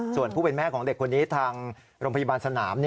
ส่วนผู้เป็นแม่ของเด็กคนนี้ทางโรงพยาบาลสนาม